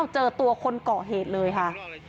เจอตัวคนก่อเหตุเลยค่ะ